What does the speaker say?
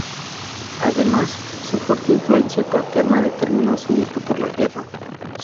Además, su fuerte influencia paterna determinó su gusto por la guerra.